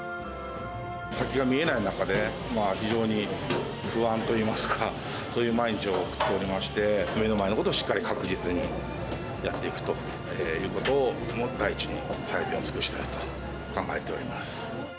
先が見えない中で非常に不安といいますか、そういう毎日を送っておりまして、目の前のことをしっかり確実にやっていくということを第一に、最善を尽くしたいと考えております。